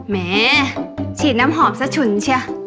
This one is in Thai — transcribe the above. แหมฉีดน้ำหอมซะฉุนเชีย